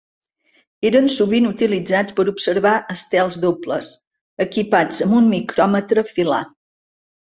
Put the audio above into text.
Eren sovint utilitzats per observar estels dobles, equipats amb un micròmetre filar.